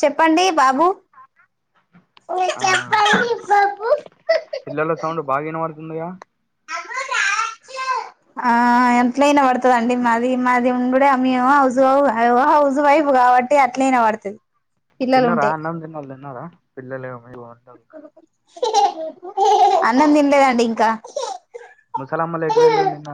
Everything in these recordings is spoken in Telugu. చెప్పండి బాబు వు ఆ చెప్పండి బాబు ఉన్నాయా ఆ ఎట్ల ఇనపడుతది అండి మాది మాది ఉండుడే మేము హౌస్ వైఫ హౌస్ వైఫ్ కాబట్టి అట్లే ఇనవడుతది తిన్నరా అన్నం తిన్నోల్లు తిన్నారా పిల్లలేమో మీరు ల్ అన్నం తినలేదండి ఇంకా ముసలమ్మల ఎటు వెళ్ళు నిన్న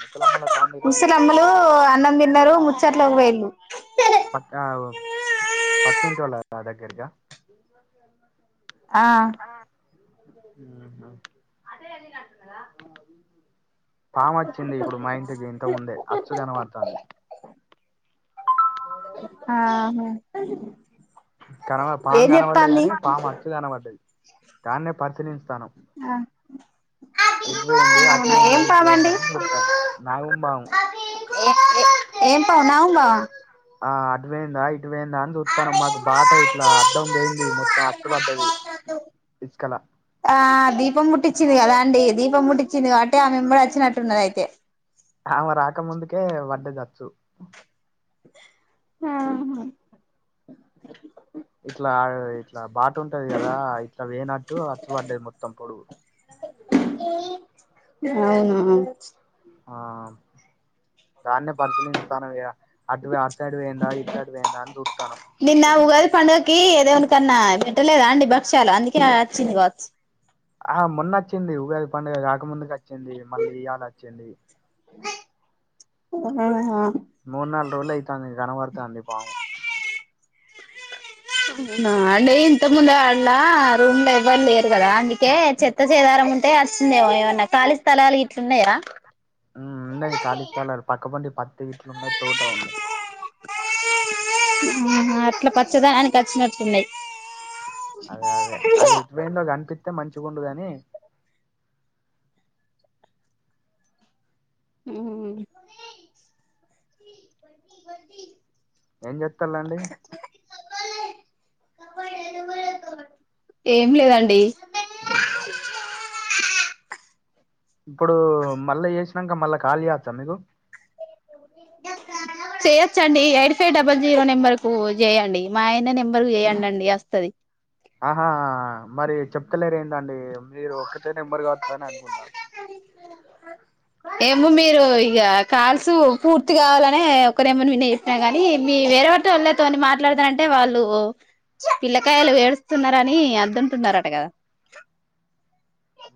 ముసలమ్మల సౌండ్ వినబడే వేలు పక్కనా వాళ్ళు పక్కింటి వొళ్ళ దగ్గరక ఆ ఉహు పాము వచ్చింది ఇప్పుడు మా ఇంటికి ఇంతముందే అచ్చు కనపడుతుంది. ఆ కనవ ఏం పాము కనబడలేదు చెప్తాంది కాగానీ పాము మచ్చలు కనబడ్డది దాన్నే పరిశీలిస్తాను ఎటు వేయింది అటు అవునా ఏం వేయిందా ఇటువేయిందా పామండి అని చుత్తన్నం నాగం భాము ఏ ఏం పాము నాగం భామ ఆ అటు పోయిందాయి పోయిందా అని చూస్తాను మాకు బాట ఇట్లా అడ్డం పోయింది మొత్తం అచ్చు పడ్డది ఇసుకల ఆ దీపం ముట్టించింది కదా అండి దీపం ముట్టిచ్చింది కాబట్టి ఆమే వెంబడి వచ్చినట్టున్నది అయితే ఆమె రాక ముందుకే వడ్డే జచ్చు ఆ హ్ ఇట్లా ఇట్లా బ బాట ఉంటది కదా ఇట్లా వేయినట్టు అచ్చు పడ్డది మొత్తం పొడుగు అవును ఆ దాన్నే పరిశీలిస్తానం ఇగ అటు అటు సైడ్ పోయిందా ఇటు సైడ్ పోయిందా అని చూస్తానం నిన్న ఉగాది పండుగకి ఏ దేవుని కన్నా పెట్టలేదా అండి భక్ష్యాలు అందుకే చిన్ వాచ్ ఆ మొన్న వచ్చింది ఉగాది పండుగ కాకముందుకి వచ్చింది మళ్ళీ ఇయ్యాల వచ్చింది. అ మూడు నాలుగు రోజుల అయితాంది కనబడతాంది పాము నా అండి ఇంత ముందు ఆడలా రూమ్ లో ఎవ్వరు లేరు కదా అందుకే చెత్త చేదారం ఉంటే వస్తుందేమో ఏమన్నా ఖాళీ స్థలాలు ఇట్లున్నాయా ఉన్నాయి కాలీ స్థలాలు పక్క పోంటి కిట్లు ఉన్నయి తోట ఉంది ఆహా అట్లా పచ్చదానానికి వచ్చినట్లున్నాయి అదే అదే అది ఎటు పోయిందో కనిపిత్త త్తే మంచికుండుగాని హు ఏం చెత్తలండి ఏం లేదండి ఇప్పుడు మళ్ళా చేసినంక మళ్ళా కాల్ చేయొచ్చా మీకు చేయొచ్చండి eight five double zero number కు చేయండి మాయనే నెంబర్ చేయండి వస్తది ఆహా మరి చెప్తలేరు ఏంది అండి మీరు ఒక్కటే నెంబర్ కావచ్చు అని అనుకుంటా. ఏమో మీరు ఇగ కాల్సు పూర్తి కావాలనే ఒకరేమో విన్న చెప్పిన కానీ మీ వేరే వాటి వాళ్ళతోని మాట్లాడుతంటే వాళ్ళు పిల్లకాయలు వేడుస్తున్నార అని అద్దంటున్నారుఅట కదా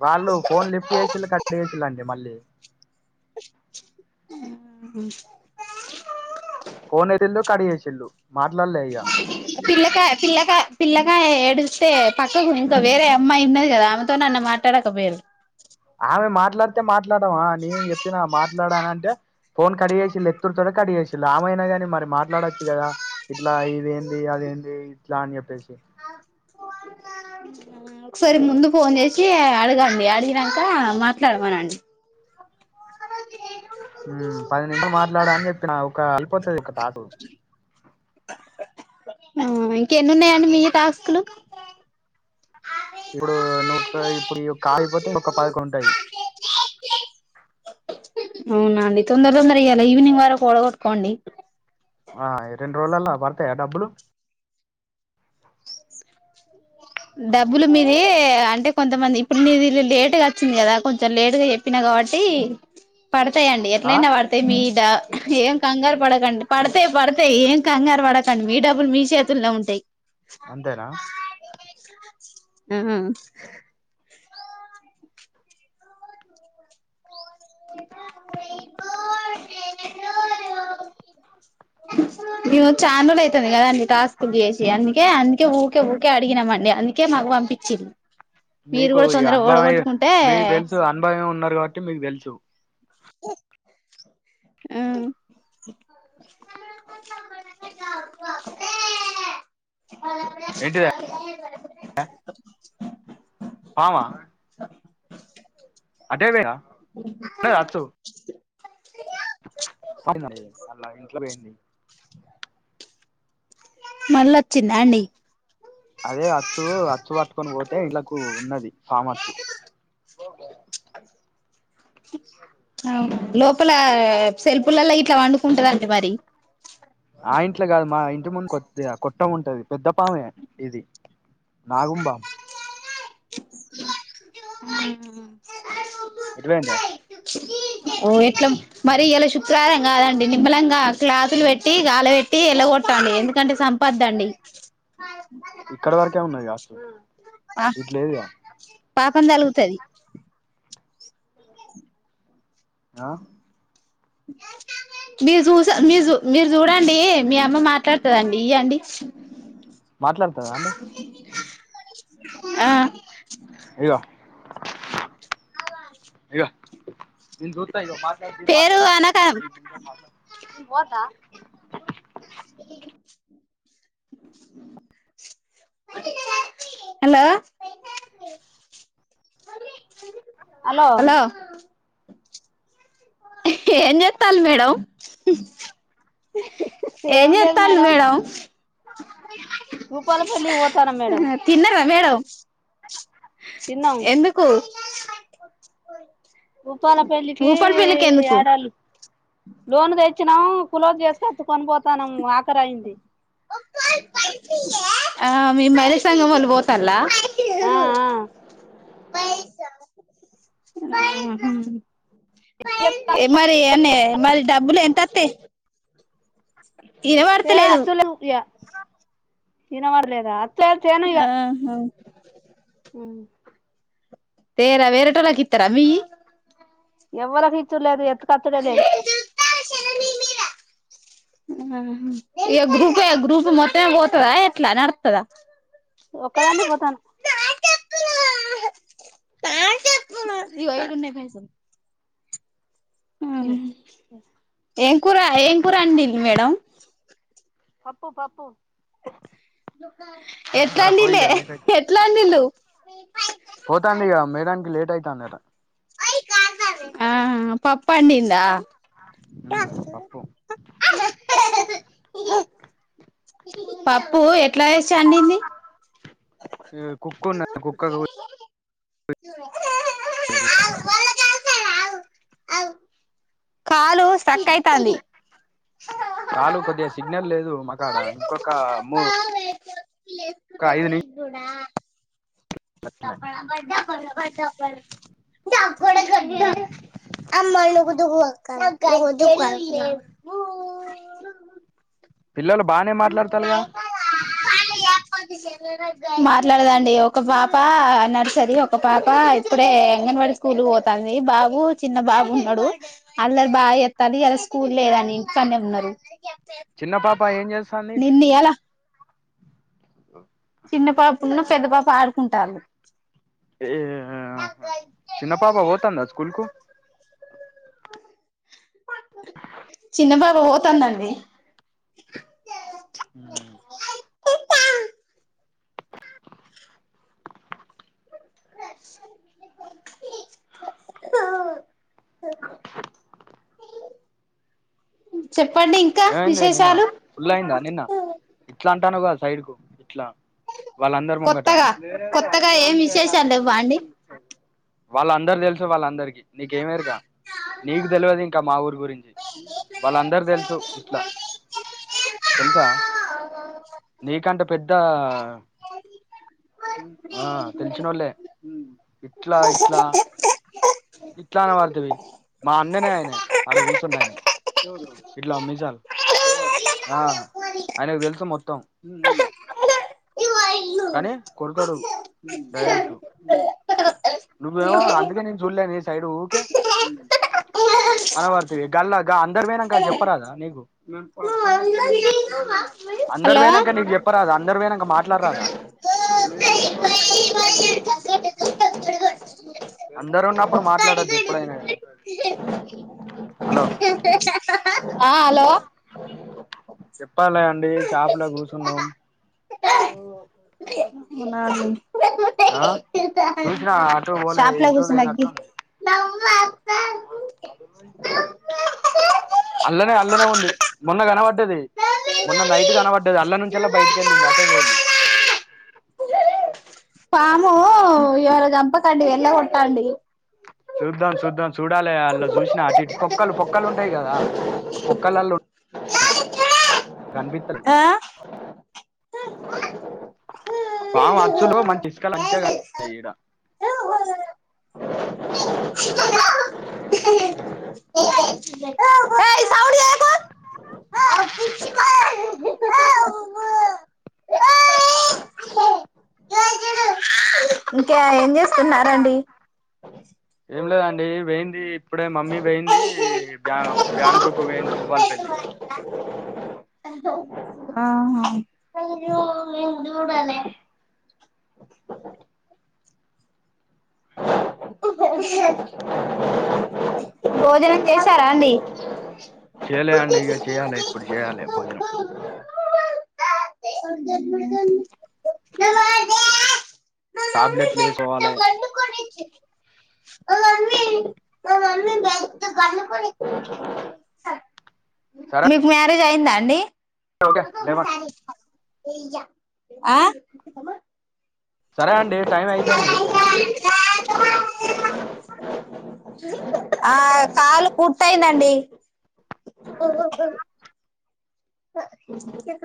వాళ్ళు ఫోన్ లిఫ్ట్ చేసిళ్ళు కట్ చేసిళ్ళండి మళ్ళీ ఫోన్ ఎడిల్లు కట్ చేసిల్లు మాట్లాడలే ఈగ పిల్లకా పిల్లకా పిల్లకాయ ఎడిస్తే పక్కకు ఇంకా వేరే అమ్మాయి ఉన్నది కదా ఆమెతో నన్న మాట్లాడకపోయరు. ఆమె మాట్లాడ్ తే మా ట్లాడమా నేను చెప్పిన మా మాట్లాడాలంటే ఫోన్ కడిగేసిళ ఎత్తుడు తోనే కడిగేసిళ్ళు ఆమైనా గాని మరి మాట్లాడొచ్చు కదా ఇట్లా ఇది ఏంది అదేంది ఇట్లా అని చెప్పేసి ఒకసారి ముందు ఫోన్ చేసి అడగండి అడిగినాక మాట్లాడమనండి హు పది నీమిషాలు మాట్లాడ అని చెప్పిన ఒక అయిపోతది పాకు ఇంక ఎన్ని ఉన్నాయండీ మీవి టాస్కులు ఇప్పుడు నువ్ ఇప్పుడు కాగిపోతే ఒక పదక ఉంటాయి వునా అండి తొందర తొందర ఇయాల ఈవినింగ్ వరకు వోడకొట్టుకోండి ఆ ఈ రెండు రోజులలా పడతాయా డబ్బులు డబ్బులు మీది అంటే కొంతమంది ఇప్పుడు మీది లేటుగా వచ్చింది కదా, కొంచెం లేటుగా చెప్పినా కాబట్టి. పడతాయండి ఆ! ఎట్లయినా పడతాయి మీ ఆ ఏం కంగారు పడకండి పడితే పడితే ఏం కంగారు పడకండి మీ డబ్బులు మీ చేతుల్ నే ఉంటయి. అంతేనా? హు మేము ఛాన్ రోజులు అయితుంది కదండి, టాస్కులు చేసి అందుకే అందుకే ఊకే ఊకే అడిగినామండి అందుకే మాకు పంపించి. మీకు ఈ అనుభవమ మీకు తెలుసు అనుభవమై ఉన్నారు కాబట్టి మీకు తెలుసు. ఆ ఏంటిది పామా అటే పోయిరా ఉండే కాచ్చు పడినది ఆ లైన్లో ట్లా పోయింది మళ్ళ వచ్చిందా అండి అదే అచ్చు అచ్చు పట్టుకొని పోతే ఇంట్లకు ఉన్నది పామొచ్చు. ఆవ్ లోపల సెల్ప్ లల్లో ఇట్లా పండుకుంటదండి మరి. ఆ ఇంట్లో కాదు మా ఇంటి ముందు కొద్ది కొట్ట ఉంటది పెద్ద పామే ఇది నాగంపాం ఉమ్ ఎటు పోయిందే ఓ ఇట్లా మరి ఇయ్యాల శుక్రవారం కద అండి నిమ్మళంగా క్లాసులు పెట్టి గాలే ట్టి ఎలగొట్టలీ ఎందుకంటే సంపద్దండి ఇక్కడవరకే ఉన్నా ఇగ పా పాపం తలుగుతుంది హ మీరు చూసా మీరు చూ మీరు చూడండి మీ అమ్మ మాట్లాడుతుందండి ఇవ్యండి మాట్లాడుతదా అండి ఆ అయ్యో ఇక వీళ్ జూ అయ్యో మాట్లాడు బి పేరు మాట్లాడు అనక మాట్లా హే వాట్ డా హలో హలో ఏం చేస్తాళ్ళు మేడం ఏ ఏం లేదు చేత్తాల మేడం రూపాలళ్లి కి పో తిన్నరా మేడం తిన్నాం ఎందుకు ఉప్పాలపళ్లకి భూపాల్ పెళ్ళికి ఎందుకు ఏడాళ్ళు లోన్ తెచ్చ వచ్చా కుులోకి చేసు కచ్చుకొని పోతాం ఆ మే మరసంగం వాళ్ళు పోతలా ఆ ఆ బై బ మరి ఎన్న మరి డబ్బులు ఎ తతే ఏ అతుల ఇన పదలేదా ఆహా హమ్ పర్ వేరేటలాకి తరా అవి ఎవ్వరికి ఇచ్చుర్ లేదు ఎత ఖర్చులేదు ఇగా గ్రూపే, గ్రూప్ మొత్తమే పోతాదా ఎట్లా నడుత్తదా. ఒక్కదాన్ని పోతాను ఇగో ఈడున్నై పైసల్. ఇగ ఏం కూర ఏం కూర అండిల్ మేడ పప్పు పప్పు సరే పోయి ఎట్లాడిలే ఇగ లేట్ అయితది ఎట్లాడిలు పోతాంది ఇగ మేడానికి లేట్ అయితాందట పప్పండందా ఉమ్ పప్పు పప్పు ఎట్లా వేసి చండింది కుకున్న కుక్క పేరు అవు కాలు సక్కయిత అంది [unintelligible] కొద్దిగా సిగ్నల్ లేదు, మాకాడా ఇంకొక మూ. [unintelligible] అట్లనే [unintelligible] [unintelligible] పిల్లలు బానే మాట్లాడ్తాలుగా. మాట్లాడదండి. ఒక పాప నర్సరీ, ఒక పాప ఇప్పుడే అంగన్వాడి స్కూల్కు పోతాంది. బాబు చిన్న బాబు ఉన్నాడు. అల్లరి బాగా చేత్తంది, ఇయలా స్కూల్ లేదని ఇంటికన్నె ఉన్నారు. చిన్న పాప్. ప, ఏం జేస్తంది. నిన్న ఇయాల చిన్న పాపున్ను, పెద్ద పాప ఆడుకుంటాళ్ళు. ఏ ఆహా చిన్న పాప, పోతాందా స్కూల్ కు. చిన్న బాబ్. పోతాందండి. [unintelligible] చెప్పండి ఇంకా ఏమైంది నిన్న విశేషాలు ఫుల్ అయిందా నిన్న, ఇట్లా అంటాను కాద్. సైడ్కు. ట్లా వాళ్ళందరి ముంగట. కొత్తగా కొత్తగా ఏం విశేషాలు లేవ్వా అండి వాళ్ళందరూ తెలుసు వాళ్ళందరికీ, నీకేమేరుక నీకు తెలియదు ఇంకా మా ఊరి గురించి, వాళ్ళందర్కి తెలుసు. ఇట్లా, తెలుసా నీకంటే పెద్ద, ఆ తెలిసినోళ్ళే ఇట్లా ఇట్లా. ఇట్లా అనవడ్థీవి, మా అన్ననే ఆయనే ఆడ కూర్చున్న ఆయనే. ఇట్లా మీసాల్, ఆయనకు తెలుసు మొత్తం. కానీ కొడకాడు డైరెక్ట్, నువ్వేమో అందుకే నేను చూడలే నీ సైడ్ ఊకే, అనవడ్థీవి గల్లా గా అందరు పోయినంక చెప్పరాదా నీకు, అందరు హలో పోయినంక నీకు చెప్పరాద అందరు పోయినంక మాట్లాడరాదా. నేను ఎల్లిపోవలె మీ ఫ్యామిలీ నుండి. అందరు ఉన్నప్పుడు మాట్లాడద్దు ఎప్పుడైనా గా, హలో. ఆ హలో. చెప్పలే అండి షాపులా కూర్చున్నాం ఆ చూసినవ షాప్లాగుసునా గీ అల్లనే అల్లనే ఉంది. మొన్న కనపడ్డది, మొన్న నైట్ కనబడ్డది, అల్ల నుంచేళ్లే బయటికి ఎళ్ళింది అటే పోయింది. పాము [unintelligible] చంపకండి వెళ్లగొట్టండి. చూద్దాం చూద్దాం. చూడాలే, అళ్లా జుసినా అటు ఇటు పొక్కలు పొక్కలు ఉంటాయి కదా, ఆ పొక్కలలో. కనిపిత్తలే. ఆ పాము అచ్చులో, మంచి ఇసుకలు అంచ గనిపి [unintelligible] ఈడ. ఇంకా ఏం చేస్తున్నారండి. ఏం లేదండి, వేయింది ఇప్పుడే, మమ్మీ వేయింది బ్యా బ్యాంకుకు వేయింది భూపాలపేల్లి. ఆహా. ఆహ్ భోజనం చేశారా అండి. చేయలే అండి ఇక చేయాలి ఇప్పుడు చేయాలి భోజనం అవ ద ది దుం దుం టాబ్లెట్లు వేసుకోవాలి [unintelligible] సరే మీర్ జారి ఇది అయిందాండి ఓకే అ ఒక లేవ స ఇత ఆ సరే అండి టైం అయితాండి ఉక్ ఆ కాలు పుర్తయిందండి ఓహోహో ప ఇకెట్ల